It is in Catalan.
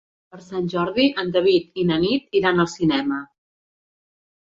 Per Sant Jordi en David i na Nit iran al cinema.